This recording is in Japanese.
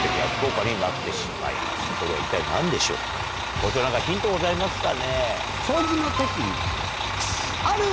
校長何かヒントございますかね？